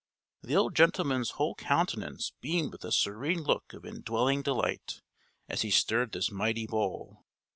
[K] The old gentleman's whole countenance beamed with a serene look of indwelling delight, as he stirred this mighty bowl.